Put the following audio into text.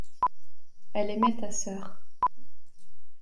Elle aimait ta sœur.